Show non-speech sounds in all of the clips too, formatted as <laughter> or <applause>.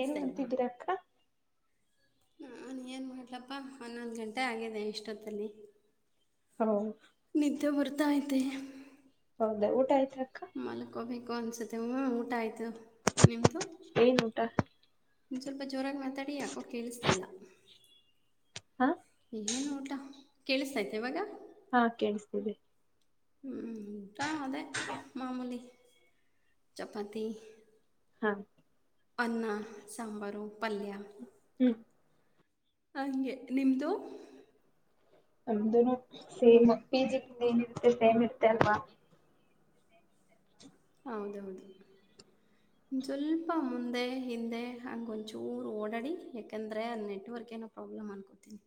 ಏನ್ ಇಲ್ವಾ ಮಾಡ್ತಿದ್ದೀರಕ್ಕ ನಾನು ಏನು ಮಾಡ್ಲಪ್ಪ ಹನ್ನೊಂದು ಗಂಟೆ ಆಗಿದೆ ಇಷ್ಟೊತ್ತಲ್ಲಿ ಹೌ ನಿದ್ದೆ ಭರ್ತಾವತೆ ಹೌದಾ ಊಟ ಆಯ್ತ ಅಕ್ಕ ಮಲಕೋ ಬೇಕು ಅನ್ಸುತ್ತೆ ಹ್ಞ ಊಟ ಆಯತು ನಿಮ್ದು ಏನ್ ಊಟ ನಿವು ಸ್ವಲ್ಪ ಜೋರಾಗಿ ಮಾತಾಡಿ ಯಾಕೋ ಕೇಳಿಸತಲ್ಲ ಹಾ ಏನು ಊಟಾ ಕೇಳಿಸತೈತೆ ಇವಾಗ. ಹಾ ಕೇಳಿಸ್ತಿದೆ ಹ್ಮ್. ಊಟ ಅದೇ ಮಾಮೂಲಿ. ಚಾಪತಿ. ಹಾ ಅನ್ನ ಸಂಬಾರು ಪಲ್ಯ. ಹ್ಮ್ ಹಂಗೆ ನಿಮ್ದು. ನಮ್ದುನು ಸೇಮ್ ಪಿ ಜಿ ಲೀ ಏನಿರುತ್ತ ಸೇಮ್ ಇರ್ತ್ತ ಅಲ್ವಾ. ಹೌದ್ ಹೌದು ಸ್ವಲ್ಪ ಮುಂದೆ ಹಿಂದೆ ಹಾಗೊಂಚೂರು ಓಡಾಡಿ ಯಾಕಂದರೆ ನೆಟ್ವರ್ಕ್ ಏನೋ ಪ್ರಾಬ್ಲಮ್ ಅನ್ಕೋತೀನಿ.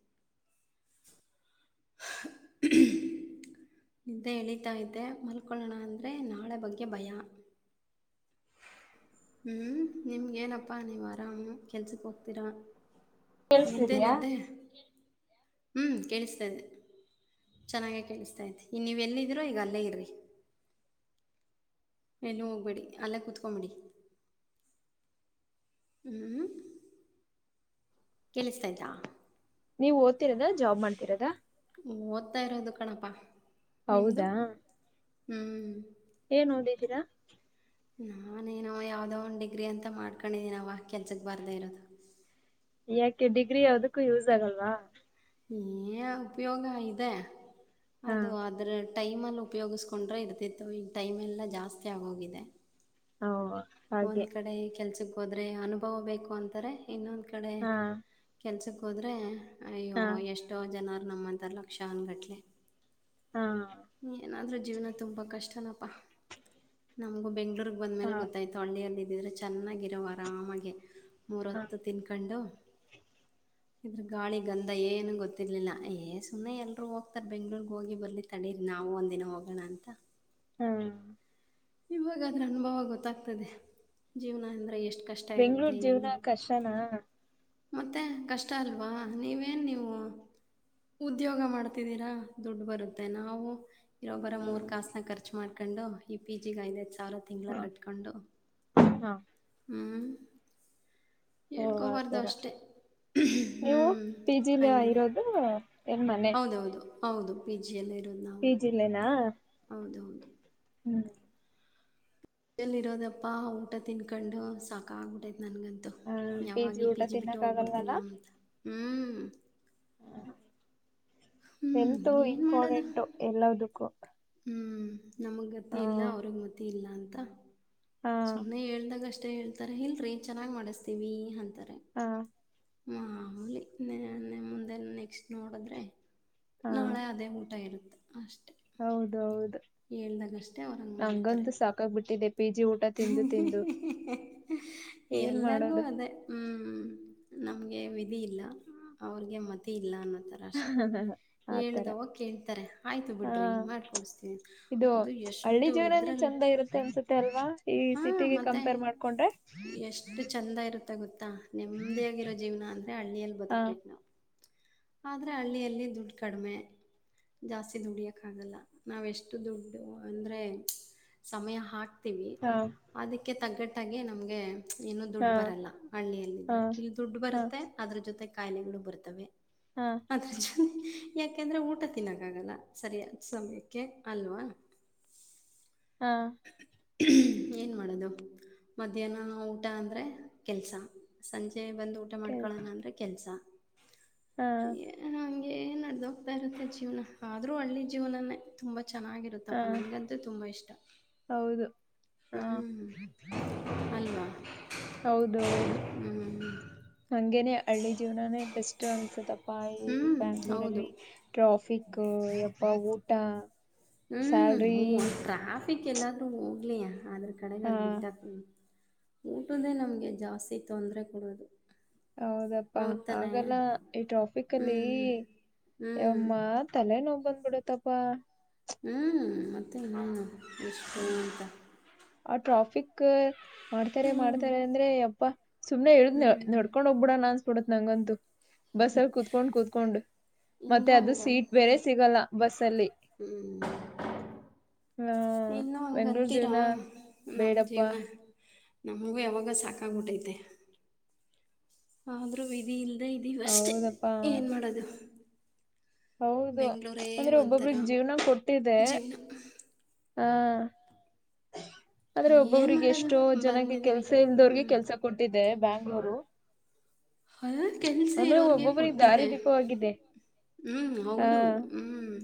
ಹಾ <unintelligible> ನಿದ್ದೆ ಎಳತಾಯಿದ್ದೆ ಮಲ್ಕೊಳ್ಳೋಣ ಅಂದರೆ ನಾಳೆ ಬಗ್ಗೆ ಭಯ. ಹ್ಮ್ ನಿಮ್ಗ್ ಏನಪ್ಪಾ ನೀವು ಅರಾಮ್ ಕೆಲ್ಸಕ್ ಹೋಗ್ತೀರಾ. ನಿದ್ದೆ ಕೇಳ್ಸಿದ್ಯಾ ನಿದ್ದೆ. ಹ್ಮ್ ಕೇಳ್ಸ್ತಾಯಿದೆ ಚೆನ್ನಾಗೇ ಕೇಳಿಸ್ತಾದೆ ಈ ನೀವು ಎಲ್ಲಿದ್ದೀರೋ ಈಗ ಅಲ್ಲೇ ಇರಿ. ಎಲ್ಲ ಹೋಗ್ಬೇಡಿ ಅಲ್ಲೇ ಕೂತ್ಕೊಂಬಿಡಿ. ಹ್ಮ್ ಕೇಳಿಸ್ತಾ ಆಯ್ತಾ. ನೀವು ಓದ್ತಿರದ ಜಾಬ್ ಮಾಡ್ತಿರದಾ. ಓದ್ತಾ ಇರೋದು ಕಣಪ್ಪ. ಹೌದಾ. ಹ್ಮ್. ಏನ್ ಓದಿದ್ದೀರಾ. ನಾನೇನೋ ಯಾವ್ದೋ ಒನ್ ಡಿಗ್ರಿ ಅಂತ ಮಾಡ್ಕೊಂಡಿದೀನ್ ಅವ ಕೆಲ್ಸಕ್ ಬಾರದೇ ಇರೋದು. ಯಾಕೆ ಡಿಗ್ರಿ ಯಾವದಕ್ಕೂ ಯೂಸ್ ಆಗಲ್ವಾ. ಏ ಉಪಯೋಗ ಇದೆ. ಹಾ ಅದು ಅದ್ರೆ ಟೈಮಲ್ಲಿ ಉಪಯೋಗಿಸ್ಕೊಂಡ್ರೆ ಇರ್ತಿತ್ತು ಈಗ ಟೈಮ್ ಎಲ್ಲಾ ಜಾಸ್ತಿ ಆಗೋಗಿದೆ. ಹೌ. <unintelligible> ಒಂದ್ ಕಡೆ ಕೆಲ್ಸ ಬ್ ಹೋದ್ರೆ ಅನುಭವ ಬೇಕು ಅಂತಾರೆ. ಇನ್ನೊಂದ್ ಕಡೆ ಹಾ ಕೆಲ್ಸಕ್ ಹೋದ್ರೇ ಅಯ್ಯೋ ಹಾ ಎಷ್ಟೋ ಜನ. ನಮ್ಮನ್ತಲಕ್ಷನ್ ಗಟ್ಟಲೆ. ಹಾ ಏನಾದ್ರೂ ಜೀವನ ತುಂಬಾ ಕಷ್ಟನ್ ನಮ್ಗು ಬೆಂಗ್ಳೂರಗ್ ಬಂದ ಹಾ ಮೇಲೆ ಗೊತ್ತ್ ಹಾ ಹಳ್ಳಿಯಲ್ಲಿ ಇದಿದ್ರೆ ಚೆನ್ನಾಗಿರೋವ್ ಆರಾಮಾಗಿ. ಮೂರ್ ಹೊತ್ತು ತಿನ್ಕೊಂಡು. ಇದ್ರ್ ಗಾಳಿ ಗಂಧ ಏನು ಗೊತ್ತಿರ್ಲಿಲ್ಲ ಏ ಸುಮ್ಮನೆ ಎಲ್ರೂ ಹೋಗ್ತಾರ ಬೆಂಗ್ಳೂರ್ಗ್ ಹೋಗಿ ಬರ್ಲಿ ತಡೀರಿ ನಾವವು ಒಂದಿನ ಹೋಗೋಣ ಅಂತ. ಹಾ ಇವಾಗಾದದ್ರ ಅನುಭವ ಗೊತ್ತಾಗ್ತದೆ ಜೀವನ ಅಂದ್ರೆ ಎಷ್ ಬೆಂಗ್ಳೂರ್ ಜೀವ್ನ ಕಷ್ಟನಾ ಮತ್ತೆ ಕಷ್ಟ ಅಲ್ವಾ ನೀವೇನ್ ನೀವು ಉದ್ಯೋಗ ಮಾಡ್ತಿದ್ದೀರಾ ದುಡ್ಡು ಬರುತ್ತೆ ನಾವು ಇರೊಬ್ಬರ ಮೂರ್ ಕಾಸನ ಖರ್ಚು ಮಾಡ್ಕೊಂಡು ಪಿ ಜಿ ಗಾವತ್ ಸಾವಲ ತಿಂಗಳ ಹಾ ಕಟ್ಕೊಂಡು ಹಾ ಹ ಓ ಆ ತರ ಅಷ್ಟೇ ಹ್ಞೂ ನೀವು ಪಿ ಜಿಲಿ ಹಂಗಿದೆ ಇರೋದು ಏನ್ ಹೌದೌದು ಹೌದು ಪಿ ಜಿ ಅಲ್ಲಿ ಪಿಜಿಲ್ಲನಾ ಹೌದೌದು ಹ್ಮ್ ಮಜಲ್ಲಿ ಇರೋದಪ್ಪಾ ಊಟ ತಿನ್ಕೊಂಡು ಸಾಕ ಆಗ್ಬಿಟ್ಟೆತೈತೆ ನನಗಂತು ಹ ಯಾವಾಗ ಊಟ ಪಿ ಜಿ ಬಿಟ್ಟು ತಿನ್ನಕ್ ಹೋಗ್ಬಿಡ್ತೀನ ಆಗಲ್ವಲ್ಲ ಅಂತ ಹ್ಮ್ ಹ್ಞೂ ಹೆಲ್ತ್ ಏನು ಇಂಪಾರ್ಟೆಂಟು ಎಲ್ಲದಕ್ಕೂ ಹ್ಮ್ ನಮಗೆ ಹ ಗತಿ ಇಲ್ಲ ಅವ್ರಿಗೆ ಗತಿ ಇಲ್ಲ ಅಂತ ಹಾ ಸುಮ್ಮ್ನೆ ಹೇಳ್ದಾಗಷ್ಟೆ ಹೇಳ್ತಾರ ಇಲ್ರಿ ಚೆನ್ನಾಗಿ ಮಾಡಿಸ್ತೀವಿ ಅಂತ ಹಾ ಮಾಮೂಲಿ ಮುಂದೆ ನೆಕ್ಸ್ಟ್ ನೋಡದ್ರೆ ಹಾ ನಾಳೆ ಅದೇ ಊಟ ಏನೋ ಅಷ್ಟೇ ಹೌದೌದು ಏಳ್ದಾಗಷ್ಟೆ ಅವ್ರನ್ ಮಾಡ್ತಾರೆ ನಂಗಂತೂ ಸಾಕಾಗ್ಬಿಟ್ಟಿದೆ ಪಿ ಜಿ ಊಟ ತಿಂದು ತಿಂದು ಏನ್ ಎಲ್ಲರ್ಗು ಮಾಡೋದು ಅದೇ ಹ್ಮ್ ಹ್ಮ ನಮ್ಗೆ ವಿಧಿ ಇಲ್ಲ ಅವ್ರಿಗೆ ಮತಿ ಇಲ್ಲ ಅನ್ನೋ ತ ಹ ಆತರ ಕೇಳ್ತಾರೆ ಆಯ್ತು ಹ ಬಿಡ್ರಿ ಮಾಡ್ಕೊಡಿಸ್ತೀವಿ ಇದು ಅದು ಹಳ್ಳಿ ಎಷ್ಟು ಜೀವನನೇ ಇದ್ರಲ್ಲಿ ಚಂದ ಇರುತ್ತೆ ಅನ್ಸುತ್ತೆ ಅಲ್ವಾ ಈ ಹಾ ಸಿಟಿಗೆ ಮತ್ತೆ ಕಂಪೇರ್ ಮಾಡ್ಕೊಂಡ್ರೆ ಎಷ್ಟು ಚಂದ ಇರುತ್ತ ಗೊತ್ತಾ ನೆಮ್ಮದಿಯಾಗಿರೋ ಜೀವನ ಅಂದ್ರೆ ಹಳ್ಳಿಯಲ್ಲಿ ಹಾ ಬದುಕ್ಬೇಕ್ ನಾವ್ ಆದರೆ ಹಳ್ಳಿಯಲ್ಲಿ ದುಡ್ಡು ಕಡಿಮೆ ಜಾಸ್ತಿ ದುಡಿಯೋಕ್ಕಾಗಲ್ಲ ನಾವೆಷ್ಟು ದುಡ್ಡು ಅಂದರೆ ಸಮಯ ಹಾಕ್ ತಿವಿ ಹಾ ಅದಕ್ಕೆ ತಗ್ಗಟ್ಟ ಆಗಿ ನಮಗೆ ಏನು ದುಡ್ ಹಾ ಬರಲ್ಲ ಹಾ ಹಳ್ಳಿಯಲ್ಲಿದ್ರೆ ಇಲ್ಲಿ ದುಡ್ ಹಾ ಬರುತ್ತೆ ಅದ್ರ ಜೊತೆ ಕಾಯಿಲೆಗಳು ಬರ್ತವೆ ಹಾ ಅದರ್ ಜೊತ್ ಯಾಕೆಂದ್ರೆ ಊಟ ತಿನ್ನಕ್ಕ ಆಗಲ್ಲ ಸರಿಯಾದ ಸಮಯಕ್ಕೆ ಅಲ್ವಾ ಹಾ ಹ್ಮ್ ಏನ್ ಮಾಡೋದು ಮಧ್ಯಾಹ್ನ ಊಟ ಅಂದ್ರೆ ಕೆಲ್ಸ ಸಂಜೆ ಮನೆಗ್ ಬಂದು ಊಟ ಕೇಳ್ ಮಾಡ್ಕೊಳ್ಳೋಣ ಅಂದ್ರೆ ಕೆಲ್ಸ ಹಾ ಏನ್ ನಡದೋಗ್ತಾ ಇರುತ್ತೆ ಜೀವನ ಆದ್ರೂ ಹಳ್ಳಿ ಜೀವನನೇ ತುಂಬಾ ಹಾ ಚೆನ್ನಾಗಿರುತ್ತಪ್ಪಾ ನನ್ಗಂತೂ ತುಂಬಾ ಇಷ್ಟ ಹೌದು ಹಾ ಹ್ಮ್ ಅಲ್ವಾ ಹೌದ ಹೌದು ಹ್ಞೂ ಹಂಗೆನೇ ಹಳ್ಳಿ ಜೀವನನೇ ಬೆಸ್ಟ್ ಅನ್ಸುತ್ತಪ್ಪ ಭಾಯಿ ಹ್ಞೂ ಹೌದು ಬ್ಯಾಂಗ್ಳೂರಲ್ಲಿ ಟ್ರಾಫಿಕ್ ಯಪ್ಪಾ ಉ ಟ ಹ್ಮ್ ಹು ಟ್ರಾಫಿಕ್ ಎಲ್ಲಾದ್ರೂ ಇರ್ಲಿ ಅದ್ರ ಕಡೆಗ ಹಾ ಅದು ಬಿಟ್ಟಕಿ ಊಟದೇ ನಮ್ಗೆ ಜಾಸ್ತಿ ತೊಂದರೆ ಕೊಡೋದು ಹೌದಪ್ಪಾ ಹೌದು ತಾನೇ ಆಗಲ್ಲ ಈ ಟ್ರಾಫಿಕ್ ಹ್ಞೂ ಅಲ್ಲಿ ಹ್ಞೂ ಯಮ್ಮ ತಲೆನೋ ಬಂದ್ಬಿಡತ್ತಪ್ಪ ಪಾ ಹ್ಮ್ ಮತ್ತೆ ಹ ಎಷ್ಟು ಅಂತ ಆ ಟ್ರಾಫಕ್ ಮಾಡ್ತಾರೆ ಹ್ಞೂ ಮಾಡ್ತಾರೆ ಅಂದ್ರೆ ಯಪ್ಪಾ ಸುಮನೆ ಇಳ್ದು ಹ್ಞೂ ನಡ್ಕೊಂಡ್ ಹೋಗಬುಡಣ್ಣ ಅನ್ಸುತ್ತೆ <unintelligible> ನಂಗನ್ ತು ಬಸ್ ಅಲ್ಲಿ ಕುೂತ್ಕೊಂಡ್ ಕುೂತ್ಕೊಂಡ್ ಇನ್ನೂ ಮತ್ತೆ ಅದು ಸೀಟ್ ಬೇರೆ ಹಂಗಂತೆ ಸಿಗಲ್ಲ ಬಸ್ಲ್ಲಿ ಹ್ಞೂ ಹ್ಮ ಇನ್ನೂ ಬೆಂಗ್ಗಳೂರ್ ಹಂಗಂತೀರಾ ಜೀವನ ನಮ್ಮ ಬೇಡಪ್ಪಾ ಜೀವನ ನಮಗೂ ಯಾವಾಗ ಸಾಕಾಗ್ಬಿಟ್ಟೈತೆ ಆದ್ರೂ ವಿಧಿ ಇಲ್ಲ ಅದೇ ಇದೀವಷ್ಟೇ ಹೌದಪ್ಪಾ ಏನು ಮಾಡೋದು ಹೌದು ಬೆಂಗಳೂರೇ ಅಂದ್ರೆ ಒಂಥರ ಒಬ್ಬೊಬ್ರಗ್ ಜೀವ್ನ ಕೊಟ್ಟಿದೆ ಜೀವನ ಹಾ ಆದ್ರೆ ಏನು ಒಬ್ಬೊವ್ರಿಗೆ ಮಾಡೋದು ಎಷ್ಟೋ ಜನಕ್ಕೆ ಬಂದಿದ್ದೀವಿ ಕೆಲ್ಸ ಇಲ್ದವ್ರಿಗೆ ಹ್ಞೂ ಕೆಲ್ಸ ಕೊಟ್ಟಿದ್ದೆ ಬ್ಯಾಂಗ್ಳೂರು ಹದ ಕೆಲ್ಸ ಆಮೇಲೆ ಇರೋರ್ಗೆ ಒಬ್ಬೊಬ್ರಿಗೆ ಕೊಟ್ಟಿದೆ ದಾರಿ ದೀಪವಾಗಿದೆ ಹ್ಮ್ ಆ ಹೌದು ಹ್ಮ್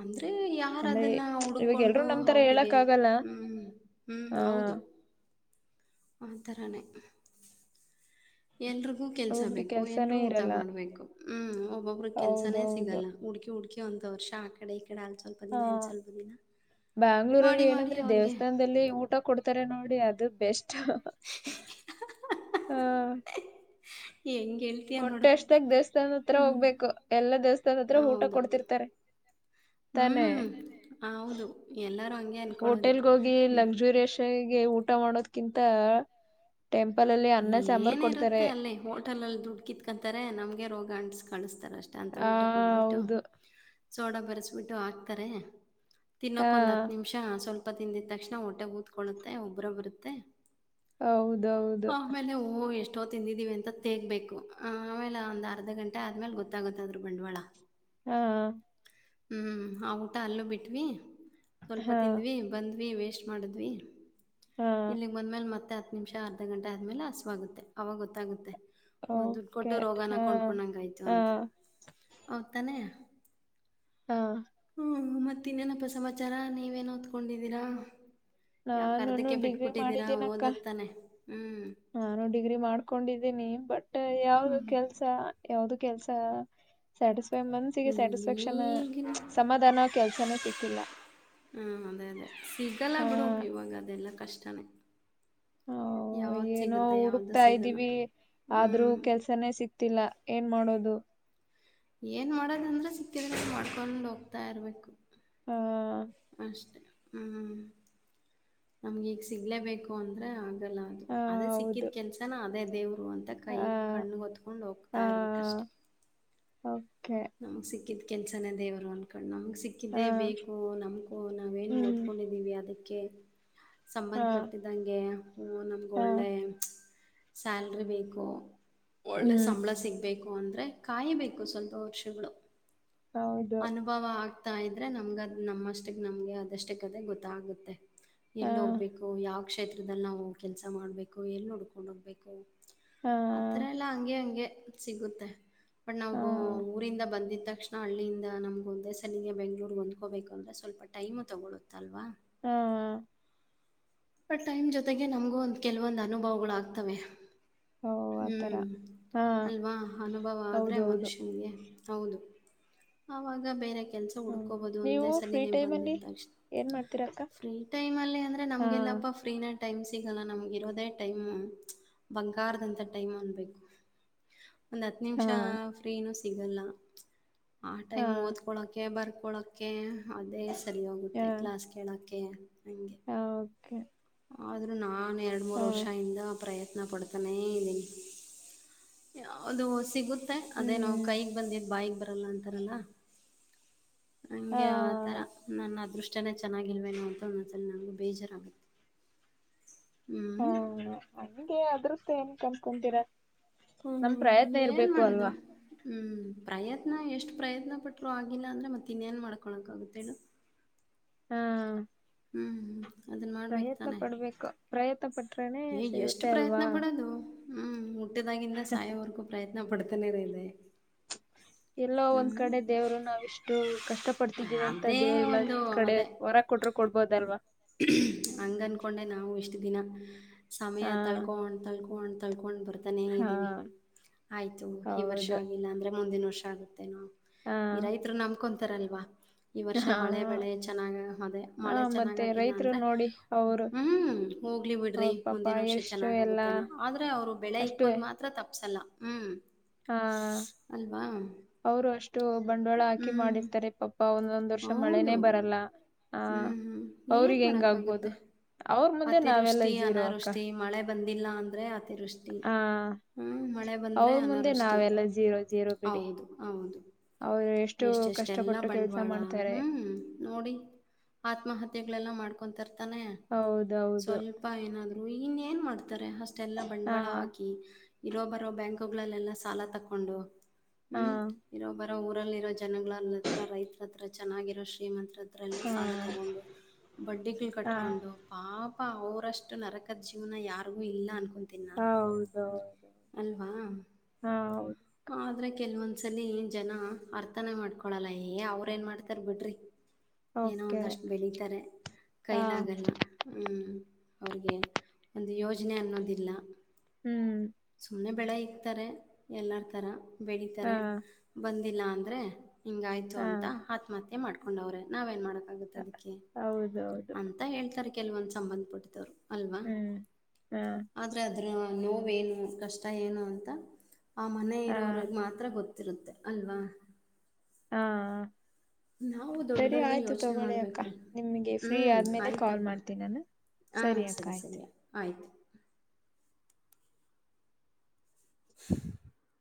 ಅಂದ್ರ ಏ ಯಾರ್ ಅಂದ್ರೆ ಅದನ್ನ ಇವಾಗ ಎಲ್ರೂ ಹುಡುಕೊಂಡು ನಮ್ ತರ ಅವ್ರಿಗೆ ಹೇಳಕ್ ಆಗಲ್ಲ ಹ್ಮ್ ಹ್ಮ್ ಆ ಹೌದು ಆ ತರಾನೆ ಎಲ್ರಿಗೂ ಕೆಲ್ಸಾ ಒಬ್ಬೊಬ್ರಿಗೆ ಬೇಕು ಕೆಲ್ಸಾನೇ ಎಲ್ರೂ ಊಟ ಇರಲ್ಲ ಮಾಡ್ಬೇಕು ಹ್ಮ್ ಒಬ್ಬೊಬ್ರಿಗ ಕೆಲ್ಸನೇ ಹೌದೌದು ಸಿಗಲ್ಲ ಹುಡುಕಿ ಹುಡುಕಿ ಏ ಒಂದ ವರ್ಷಾ ಆಕಡೆ ಇಕ್ ಹಾ ಬ್ಯಾಂಗ್ಳೂರಲ್ಲಿ ಮಾಡಿ ಮಾಡಿ ಏನಂದ್ರೆ ಅವ್ರಿಗೆ ದೇವಸ್ಥಾನದಲ್ಲಿ ಊಟ ಕೊಡ್ತಾರೆ ನೋಡಿ ಅದ ದು ಬೆಸ್ಟ್ ಹಾ ಹೆಂಗೆ ಹೇಳ್ತೀಯ ನೋಡು ಹೊಟ್ಟೆ ಹಸ್ದಾಗ್ ದೇವಸ್ಥಾನದ ಹತ್ರ ಹ್ಞೂ ಹೋಗ್ಬೇಕು ಎಲ್ಲ ದೇವಸ್ಥಾನ ಹತ್ರ ಊಟಾ ಹೌದು ಕೊಡ್ತಿರ್ತಾರೆ ತಾನೆ ಹ್ಞೂ ಹೌದು ಎಲ್ಲರೂ ಹಂಗೆ ಅಂದ್ಕೊಳ್ಳೋದು ಹೋಟೆಲ್ಗ ಹೋಗಿ ಹ್ಞೂ ಲಕ್ಸುರಿಯಸ್ ಆಗಿ ಏ ಊಟ ಮಾಡೋದ್ಕಿಂತಾ ಏನಿರುತ್ತೆ ಅಲ್ಲಿ ಹೋಟೆಲ್ ಅಲ್ಲಿ ದುಡ್ಡು ಕಿತ್ಕೊಂತಾರೆ ನಮ್ಗೆ ರೋಗ ಅಂಟ್ಸ್ ಕಳಸ್ ತರ ಅಷ್ಟ ಅಂತ ಆ ಊಟ ಕೊಟ್ಬಿಟ್ಟು ಹೌದು ಸೋಡ ಬೆರೆಸಬಿಟ್ಟು ಹಾಕ್ತಾರೆ ಹಾ ತಿನ್ನೋಕ್ ಒಂದ ಹತ್ತ ನಿಮಿಷ ಸ್ವಲ್ಪ ತುಪ್ಪಾ ತಿಂದಿದ ತಕ್ಷಣ ಹೊಟ್ಟೆ ಊದಕೊಳ್ಳುತ್ತೆ ಊಬ್ಬರ ಬರತ್ತೆ ಹೌದ್ ಆಮೇಲೆ ಓ ಎಷ್ಟ ಎಷ್ಟೋ ತಿಂದಿದ್ದೀವಿ ಅಂತ ತೇಗಬೇಕ ಆಮೇಲೆ ಒಂದ ಅರ್ಧ ಗಂಟೆ ಆದ್ಮೇಲೆ ಗೊತ್ತಾಗುತ್ ಅದರ್ ಬಂಡವಾಳ ಹಾ ಹ್ಮ್ ಆ ಊಟ ಅಲ್ಲೂ ಬಿಟ್ವಿ ಸ್ವಲ್ಪ ಹಾ ತಿಂದ್ವಿ ಬಂದ್ವಿ ವೆ ಮಾಡದ್ವಿ ಹಾ ಇಲ್ಲಿಗ್ ಬಂದ್ಮೇಲ್ ಮತ್ತೆ ಅತ್ ನಿಮಿಷಾನ ಅರ್ಧ ಗಂಟೆ ಆದಮೇಲೆ ಹಸವ್ ಆಗತ್ತೆ ಆವಾಗ ಗೊತ್ತಾಗುತ್ತೆ ಓ ದುಡ್ ಓಕೆ ಕೊಟ್ಟು ರೋಗನ ಹಾ ಕೊಂಡ್ಕೊಂಡಂಗ್ ಆಯ್ತು ಹಾ ಅಂತಾ ಹೌದ್ ತಾನೆ ಹಾ ಇನ್ನೇನಪ್ಪಾ ಸಮಾಚಾರ ನೀವೇನ್ ಓದಕೊಂಡಿದಿರಾ ಯಾಕ ನಾನುನು ಅರ್ಧಕ್ಕೆ ಡಿಗ್ರಿ ಬಿಟ್ಬಿಟ್ಟಿದ್ದೀರಾ ಮಾಡಿದ್ದೀನಕ್ಕ ಓದದತಾನೆ ನಾನು ಡಿಗ್ರಿ ಮಾಡ್ಕೊಂಡಿದ್ದೀನಿ ಬಟ್ ಯಾವ್ದು ಕೆಲ್ಸಾ ಯಾವ್ದುಕ್ ಕೆಲ್ಸಾ ಸ್ಯಾಟಿಸ್ ಸ್ವ್ ಮನಸ್ಸಿಗೆ ಹ್ಞೂ ಸ್ಯಾಟಿಸ್ಫ್ಯಾಕ್ಷನ್ ಈಗಿನ ಸಮಾಧಾನ ಕೆಲ್ಸನೇ ಸಿಕ್ಕಿಲ್ಲ <unintelligible> ಬ ಹಾ ಇವಾಗ ಅದೆಲ್ಲ ಕಷ್ಟ <unintelligible> ಚನ್ನ ಹ ಏನೋ ಹುಡುಕ್ತಾ ಸಿಗಲ್ಲ ಇದ್ದೀವಿ ಆದ್ರೂ ಹ್ಞೂ ಕೆಲ್ಸನೇ ಸಿಕ್ತಿಲ್ಲ ಏನ್ ಮಾಡೋದು ಏನ್ ಮಾಡೋದಂದ್ರೆ ಸಿಕ್ಕಿದ್ರ ಮಾಡ್ಕೊಂಡೊಂಡು ಹೋಗ್ತಾ ಇರ್ಬೇಕು ಆ ಅಷ್ಟೇ ಹ್ಮ್ ನಮ್ಗೆ ಈಗ ಸಿಗ್ಲೇಬೇಕು ಅಂದ್ರ ಆಗಲ್ಲ ಅದು ಆ ಅದೇ ಹೌದು ಸಿಕ್ಕಿದ ಕೆಲ್ಸನ ಅದೇ ದೇವ್ರು ಅಂತ ಆ ಕೈ ಕಣ್ಣು ಹೊತ್ಕೊಂಡು ಹೋಗ್ತಾ ಇರ್ಬೇಕಷ್ಟೆ ಹೌ <unintelligible> ನಮ್ಗ್ ಸಿಕ್ಕಿದ್ ಕೆನ್ಸನ ದೇವರು ಅನ್ಕೊಂಡ್ ಆ ಸಿಕ್ಕಿದ್ದೇ ಬೇಕು ನಮಕು ನಾವೇನು ಹ್ಮ್ ಓದ್ಕೊಂಡಿದ್ದೀವಿ ಅದಕ್ಕೆ ಕೆ <unintelligible> ಆ ಸಂಬಂಧಪಟ್ಟಿದ್ದಂಗೆ ಹ್ಞ ನಮ್ಗೆ ಆ ಒಳ್ಳೆ ಸ್ಯಾಲ್ರಿ ಬೇಕು ಒಳ್ಳೆ ಹ್ಮ್ ಸಂಬಳ ಸಿಗ್ಬೇಕು ಅಂದ್ರೆ ಕಾಯಿಬೇಕು ಸ್ವಲ್ಪ ವರ್ಷ <unintelligible> ಶುಗಳು ಹೌದು ಅನುಭವ <unintelligible> <unintelligible> ಹತಾ ಇದ್ದರೆ ನಮ್ಗೆ ಅದು ನಮ್ಮಷ್ಟಿಗೆ ನಮಗೆ ಅದಷ್ಟ ಕದ ಗೊತ್ತಾಗುತ್ತೆ ಆ ಎಲ್ಲಿ ಹೋಗ್ಬೇಕು ಯಾವ ಕ್ಷೇತ್ರದಲ್ಲಿ ನಾವು ಕೆಲಸ ಮಾಡಬೇಕು ಎಲ್ಲಿ ನುಡ್ಕೊಂಡು ಹೋಗ್ಬೇಕು ಆ ಅಥರ ಎಲ್ಲಾ ಅಂಗೆ ಅಂಗೆ ಸಿಗುತ್ತೆ ಬಟ್ ಆ ನಾವು ಊರಿಂದ ಬಂದಿದ್ದ ತಕ್ಷಣ ಹಳ್ಳಿಯಿಂದ ನಮ್ಗೆ ಒಂದೇ ಸಲಿಗೆ ಬೆಂಗ್ಳೂರ್ಗೆ ಹೊಂದ್ಕೋಬೇಕಂದ್ರೆ ಸ್ವಲ್ಪ ಟೈಮು ತೊಗೊಳುತ್ತಲ್ವ ಹಾ ಹಾ ಬಟ್ ಟೈಮ್ ಜೊತೆಗೆ ನಮ್ಗೂ ಒಂದ ಕೆಲವೊಂದ್ ಅನುಭವಗಳು ಆಗ್ತವೆ ಓ ಆತರ ಹ್ಮ್ ಹಾ ಅಲ್ವಾ ಅನುಭವ ಆದ್ರೆ ಹೌದು ಹೌದು ಮನುಷ್ಯನಿಗೆ ಹೌದು ಅವಾಗ ಬೇರೆ <unintelligible> ಕೆಲಸ ಹ್ಮ್ ಹುಡ್ಕೋಬಹುದು ನೀವು ಒಂದೇ ಫ್ರೀ ಸಲಿನ ಟೈಮ್ ಅಲ್ಲಿ ಬಂದಿದ್ದ ಏನ್ ಮಾಡ್ತೀರಾ ಅಕ್ಕ ಫ್ರೀ ಟೈಮ್ ಅಲ್ಲಿ ಅಂದ್ರೆ ಹಾ ನಮ್ಗೆಲ್ಲ ಟೈಮ್ ಸಿಗಲ್ಲ ನಮ್ಗೆ ಇರೋದೇ ಟೈಮ್ ಬಂಗಾರದಂತ ಟೈಮ್ ಅನ್ಬೇಕು ಒಂದ ಹತ್ತು ಹಾ ನಿಮಿಷ ಫ್ರೀನು <unintelligible> ಸಿಗಲ್ಲ ಆ ಹಾ ಟೈಮ್ ಓದ್ಕೊಳಕೆ ಬರ್ ಕೊಳೋಕ್ಕೆೆ ಅದೇ ಸರಿಯೋಗುತ್ತೆ ಕ್ಲಾಸ್ ಕೇಳೋಕ್ಕೆ ಓಕ ಹಂಗೆ ಹಾ ಓಕೆ ಆದರೂ ನಾನೆ ಎರಡು ಮೂರು ಹಾ ವರ್ಷ ಇಂದ ಪ್ರಯತ್ನ. ಯತ್ನ ಪಡ್ತಾನೆ ಇದೆ ಯಾವುದು ಸಿಗುತ್ತ ಅದೇನೋ ಹ್ಮ್ ಕೈಗ್ ಬಂದಿದ್ ಬಾಯಗ್ ಬರ್ ಅಲ್ಲ ಅಂತಾರಲ್ಲ. ಹಂಗೆ ಹಾ ಆತರ ನನ್ನ ಅದೃಷ್ಟ. ಅಷ್ಟನೇ ಚೆನ್ನಾಗಿ ಇಲ್ವೇನೋ ಅಂತ ಒಂದ್ಸಲಿ ನನಗೂ ಬೇಜಾರಾಗುತ್ತೆ ಹಾ ಹ್ಞೂ ಹಾ ನಂಗೆ ಅಂದ್ರು ಏನ್ಕ ಅನ್ಕೊಂತೀರಾ. ನಮ್ಮ ಹ್ಞೂ ಪ್ರಯತ್ನ ಏನು ಇರ್ಬೇಕು ಮಾಡೋದು ಅಲ್ವಾ. ಹ್ಞೂ ಪ್ರಯತ್ನ ಎಷ್ಟು ಪ್ರಯತ್ನ ಪಟ್ರು ಆಗಿಲ್ಲ ಅಂದ್ರೆ ಮತ್ತೆ ಇನ್ನೇನ್ ಮಾಡ್ಕೊಳಕ ಆಗುತ್ತೆ ಹೇಳು. ಹಾ ಹ್ಮ್ ಹ್ಮ್ ಅದನ್ನ ಮಾಡ್ಬೇಕ ಪ್ರಯತ್ನ ತಾನೆ ಪಡ್ಬೇಕು ಪ್ರಯತ್ನ ಪಟ್ರನೆ ಏ ಎಷ್ಟು ಸಿಗುತ್ತೆ ಅಲ್ವಾ ಪ್ರಯತ್ನ ಪಡೋದು ಹ್ಮ ಹುಟ್ಟಿದಾಗಿಂದ ಸಾಯೋವರೆಗೂ ಪ್ರಯತ್ನ ನಾ ಪಡತನೇರ ಇದೆ. ಎಲ್ಲೋ ಒಂದ್ ಹ್ಞೂ ಕಡೆ ದೇವ್ರು ನಾವಿಷ್ಟು ಕಷ್ಟ ಪಡ್ತಿದ್ದೀವ ಅಂತ ಅದೇ ದೇವ್ರಲ್ಲಾದ್ರೂ ಒಂದು ಒಂದ್ ಕಡೆ ಹೊರ ಕೊಟ್ರು. ಕೊಡ್ಬೋದಲ್ವಾ. ಹ್ಮಹಂಗ ಅನ್ಕೊಂಡೆ ನಾವು ಎಷ್ಟ ದಿನ ಹ್ಮ್ ಸಮಯ ಹಾ ತಳ್ಕೊಂಡು ತಳ್ಕೊಂಡ. ತಳ್ಕೊಂಡ ಬಾ. ಬರ್ತಾನೆ ಹಾ ಇದವಿ ಆಯ್ತು ಈ ವರ್ಷ ಹೌದು ಆಗಿಲ್ಲ ಅಂದ್ರೆ ಮುಂದಿನ ವರ್ಷ. ಉಷಾ ಆಗುತ್ತೆ ಏನೂ ಹಾ ಈ ರೈತರು ನಮಕೊಂಡ. ಉತ್ತರಲ್ಲಿವಾ. ಈ ವರ್ಷ ಹಾ ಮಳೆ ಬೆಳೆ ಚೆನ್ನಾಗ ಅದೇ ಹ ಮಳೆ ಚೆನ್ನಾಗ. ಮತ್ತೆ ರೈತರು ಅಂದರ ನೋಡಿ ಅವರು ಹ್ಮ್ ಹೋಗ್ಲಿ ಬಿಡ್ರಿ ಅವ್ರ ಪಾಪ ಮುಂದಿನ ವರ್ಷ ಎಷ್ಟು ಎಲ್ಲಾ ಚೆನ್ನಾಗಗುತ್ತೇನ ಆದ್ರೆ ಅವ್ರು ಬೆಳೆ ಇಕ್ಕೋದ್ ಮಾತ್ರ ತಪ್ಪಸಲ. ಚಲ ಹ್ಮ್. ಹಾಹಾ ಅವರು ಅಷ್ಟೇ. ಇತ್ತ ಬಂಡವಾಳ ಹಾಕಿ ಹ್ಞೂ ಮಾಡಿರತಾರೆ ಪಾಪ ಅವರು ದ್ ವರ್ಷ ಹೌದು ಮಳೆನೇ ಬರಲ್ಲ ಆ ಹ್ಮ್ ಹ್ಮ್ ಏನ್ ಅವ್ರಿಗೆ ಹೆಂಗ ಆಗ್ಬೋದು. ಮಾಡಕ್ಕಾಗುತ್ತೆ ಅತಿವೃಷ್ಟಿ ಅನಾವೃಷ್ಟಿ ಮಳೆ. ಬಂದಿಲ್ಲ ಅಂದ್ರೆ. ವಿ ಆ ಹ್ಮ ಮಳೆ ಬಂದ್ರೆ ಅವ್ರ ಮುಂದೆ ಅನವೃಷ್ಟಿ ನಾವೆಲ್ಲ ಝೀರೋ ಝೀರೋ ಬಿಡಿ ಹೌದು ಹೌದು ಅವ್ರು ಎಷ್ಟು ಎಷ್ಟ ಎಷ್ಟೆಲ್ಲ ಕಷ್ಟಪಟ್ಟು ಕೆಲ್ಸ ಬಂಡವಾಳ ಮಾಡ್ತಾರೆ ಹ್ಮ ನೋಡಿ ಆತ್ಮಹತ್ಯೆಗಳೆ ಮಾಡ. <unintelligible> ತನ್ನ. ಹೌದೌದು ಸ್ವಲ್ಪ ಏನಾದ. ಹ ಇನ್ನೇನ್ ಮಾಡ ತಾರೆ ಅಷ್ಟೆಲ್ಲ ಹಾ ಬಂಡವಾಳ ಹಾಕಿ. ಇರೋ ಬರೋ ಬ್ಯಾಂಕುಗಳಲ್ಲೆಲ್ಲ ಸಾಲ ತಕ್ಕೊಂಡು ಹಾ ಹ್ಮ್ ಇರೋಬ್ ಊರಲ್ಲಿ ಇರೋ ಜನಗಳ ಹತ್ರ ರೈತರ ಹತ್ರ ಚೆನ್ನಾಗಿರೋ ಶ್ರೀಮಂತ್. ತ್ರಲ್ಲ ಹಾ ಸಾಲ ತಗೊಂಡು ಬಡ್ಡಿಗಳು ಹಾ ಕಟ್ಕೊಂಡು. ಪಾಪ ಅವರಷ್ಟು ನರಕದ ಜೀವನ ಯಾರಿಗೂ ಇಲ್ಲ ಅನ್ಕೊ. ಹೌದೌದು ಅಲ್ವಾ ಹಾ ಹೌದು ಆದ್ರೆ ಕೆಲ್ವೊಂದ್ಸಲ ಜನ ಅರ್ಥನ ಮಾಡ್ಕೊಳಲ್ಲ ಯ ಅವ್ರ್ ಏನ್ ಮಾಡ್ತಾರ ಬಿಡ್ರಿ. ಏನೋ ಓಕೆ ಒಂದಷ್ಟು ಬೆಳತಾರೆ ಹಾ ಕೈಲಾಗಲ್ಲ ಹ ಅವ್ರಿಗೆ ಒಂದು ಯೋಜನೆ ಅನ್ನೋದಿಲ್ಲ. ಹ್ಮ್. ಸುಮ್ಮನೆ ಬೆಳೆ ಇಕ್ತಾರೆ ಎಲ್ಲಾರ ಥರ. ಹಾ ಬೆಡಿತಾರೆ ಬಂದು. ಇಲ್ಲಾ ಅಂದ್ರೆ ಹಿಂಗಾಯ್ತು ಹಾ ಅಂತ ಆತ್ಮಹತ್ಯೆ ಮಾಡ್ಕೋು ಮಾಡ್ಕಂದವ್ರೆ ಏನ್ ಮಾಡೋ ಆಗತ್ ಅದಕ್ಕೆ ಹೌದೌದು ಅಂತ ಹೇಳ್ತಾರೆ ಕೆಲವಂದ್ ಸಂಬಂಧ ಪಟ್ಟವರು ಹ್ಮ್ ಹಾ ಅರ ನೋವೇನು ಕಷ್ಟ ಏನು ಅಂತ ಆ ಮನೆ ಹಾ ಇರೋರ ಮಾತ್ರ ಗೊತ್ತು ರುತ್ತೆ ಅಲ್ವಾ ಹಾ ನಾವು ಸರಿ ದೊಡ್ಡದಾಗಿ ಆಯ್ತು ಯೋಚನೆ ತಗೊಳ್ಳಿ ಅಕ್ಕ ಮಾಡ್ಬೇಕ್ರಿ ನಿಮಗೆ ಫ್ರೀ ಹ್ಮ್ ಆದ್ಮೇಲೆ ಕಾಲ್ ಆಯ್ತಪ್ಪಾ ಮಾಡ್ತೀನಿ ನಾನು ಹ ಅಕ್ಕ ಸರಿ ಆಯ್ತು ಸರಿಯ ಆಯ್ತು <unintelligible>